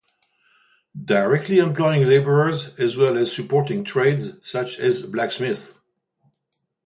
Directly employing labourers as well as supporting trades such as blacksmiths.